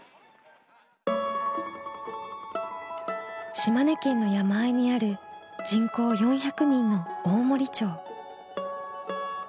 島根県の山あいにある人口４００人の大森町。